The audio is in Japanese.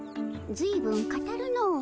ずいぶん語るのう